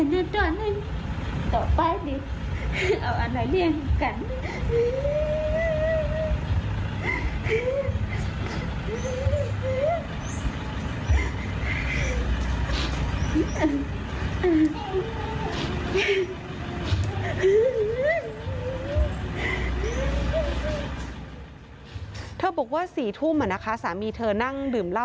มีป่าเลยป่าอาเลงคนเดียวก็ไหล